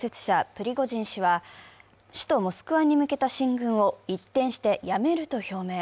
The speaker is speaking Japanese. プリゴジン氏は、首都モスクワに向けた進軍を一転してやめると表明。